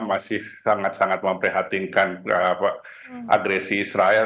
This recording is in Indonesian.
masih sangat sangat memprihatinkan agresi israel